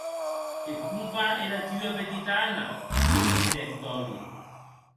E com va era tua petita, Anna, preguntèc Dolly.